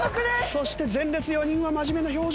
そして前列４人は真面目な表情。